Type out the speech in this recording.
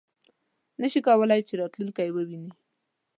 نه شي کولای چې راتلونکی وویني .